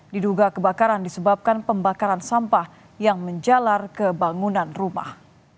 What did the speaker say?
diduga kebakaran disebabkan pembakaran sampah yang menjalar ke bangunan rumah